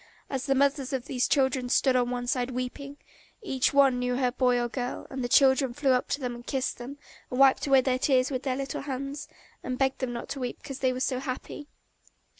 And the mothers of these children stood on one side weeping; each one knew her boy or girl, and the children flew up to them and kissed them and wiped away their tears with their little hands, and begged them not to weep because they were so happy.